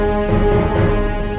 lalu lo kembali ke rumah